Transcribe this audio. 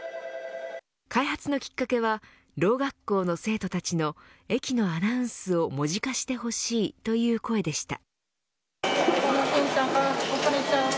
開発のきっかけはろう学校の生徒たちの駅のアナウンスを文字化してほしいという声でした。